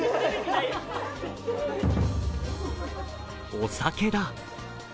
お酒だ。